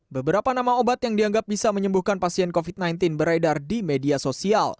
beberapa nama obat yang dianggap bisa menyembuhkan pasien covid sembilan belas beredar di media sosial